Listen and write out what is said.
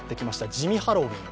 地味ハロウィーン